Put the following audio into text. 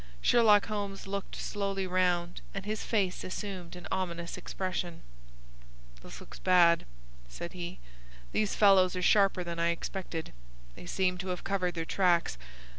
Sherlock Holmes looked slowly round, and his face assumed an ominous expression. "This looks bad," said he. "These fellows are sharper than I expected. They seem to have covered their tracks.